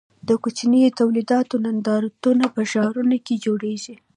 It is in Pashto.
د کوچنیو تولیداتو نندارتونونه په ښارونو کې جوړیږي.